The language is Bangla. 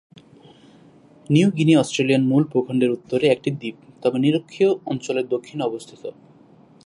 নিউ গিনি অস্ট্রেলিয়ান মূল ভূখণ্ডের উত্তরে একটি দ্বীপ, তবে নিরক্ষীয় অঞ্চলের দক্ষিণে অবস্থিত।